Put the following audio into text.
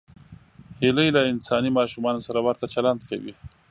هیلۍ له انساني ماشومانو سره ورته چلند کوي